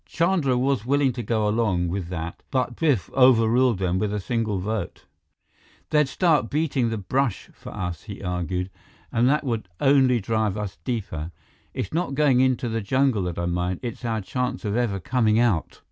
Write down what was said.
Chandra was willing to go along with that, but Biff overruled them with a single vote. "They'd start beating the brush for us," he argued, "and that would only drive us deeper. It's not going into the jungle that I mind; it's our chance of ever coming out."